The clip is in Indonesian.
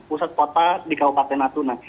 pusat kota di kabupaten natuna